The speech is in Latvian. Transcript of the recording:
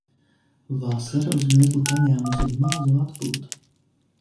Vasara uz mirkli paņēmusi mazu atpūtu.